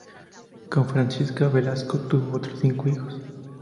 Con Francisca Velasco tuvo otros cinco hijos.